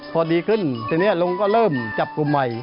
พอดีขึ้นทีนี้ลุงก็เริ่มจับกลุ่มใหม่